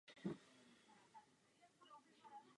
Nebylo to však podmínkou.